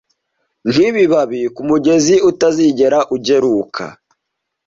Nkibabi kumugezi utazigera ugaruka,